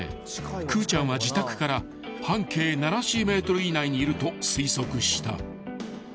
［くーちゃんは自宅から半径７０ｍ以内にいると推測した］